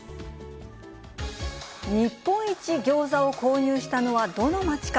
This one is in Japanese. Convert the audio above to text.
日本一ギョーザを購入したのはどの街か。